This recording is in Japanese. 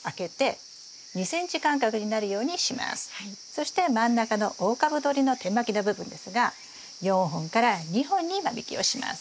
そして真ん中の大株どりの点まきの部分ですが４本から２本に間引きをします。